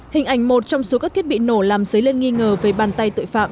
hình ảnh một trong số các thiết bị nổ làm dấy lên nghi ngờ về bàn tay tội phạm